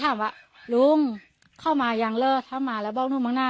จะถามแบะลุงเข้ามายังเลิศเข้ามาแล้วบอกไม่ง้า